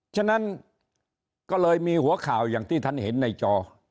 ฉะนั้นก็เลยมีหัวข่าวอย่างที่ท่านเห็นในจอ